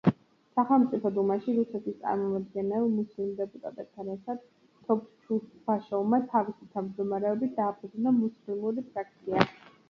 სახელმწიფო დუმაში, რუსეთის წარმომადგენელ მუსლიმ დეპუტატებთან ერთად, თოფჩუბაშოვმა თავისი თავმჯდომარეობით, დააფუძნა მუსლიმური ფრაქცია.